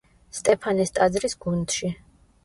სტეფანეს ტაძრის გუნდში.